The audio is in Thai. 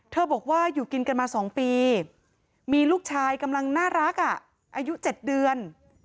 บอกว่าอยู่กินกันมา๒ปีมีลูกชายกำลังน่ารักอายุ๗เดือน